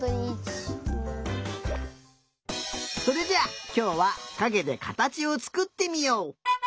それじゃあきょうはかげでかたちをつくってみよう！